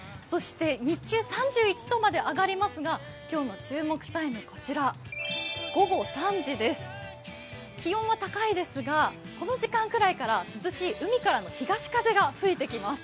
日中３１度まで上がりますが、今日の注目タイムはこちら、午後３時です、気温は高いですが、この時間ぐらいから涼しい海からの東風が吹いてきます。